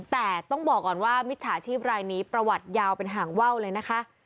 แต่ต้องบอกก่อนว่ามิจฉาชีพรายนี้ประวัติยาวเป็นห่างว่าวเลยนะคะ